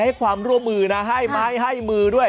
ให้ความร่วมมือนะให้ไม้ให้มือด้วย